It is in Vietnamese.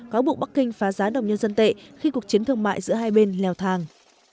cáo buộc bắc kinh phá giá đồng nhân dân tệ khi cuộc chiến thương mại giữa hai bên leo thang